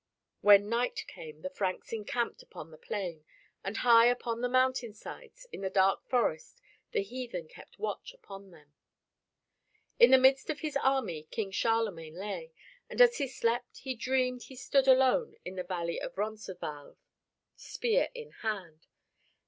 When night came the Franks encamped upon the plain. And high upon the mountain sides, in a dark forest the heathen kept watch upon them. In the midst of his army King Charlemagne lay, and as he slept he dreamed he stood alone in the valley of Roncesvalles, spear in hand.